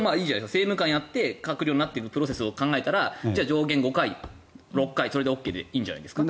政務官をやって閣僚になっているプロセスを考えたら上限５回、６回それでＯＫでいいんじゃないですか。